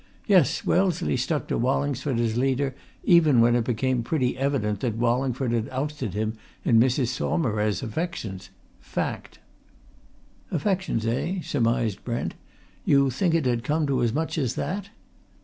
Yes, Wellesley stuck to Wallingford as leader even when it became pretty evident that Wallingford had ousted him in Mrs. Saumarez's affections fact!" "Affections, eh?" surmised Brent. "You think it had come to as much as that?"